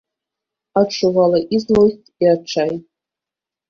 Адчувала і злосць, і адчай.